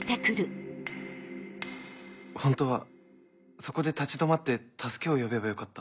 本当はそこで立ち止まって助けを呼べばよかった。